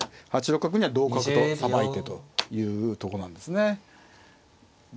８六角には同角とさばいてというとこなんですね。